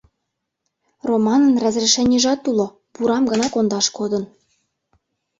Романын разрешенийжат уло, пурам гына кондаш кодын.